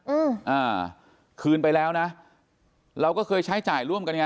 อืมอ่าคืนไปแล้วนะเราก็เคยใช้จ่ายร่วมกันไง